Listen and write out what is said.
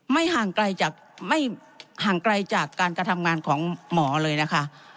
ไม่ห่างไกลจากการกระทำงานของหมอเลยนะคะ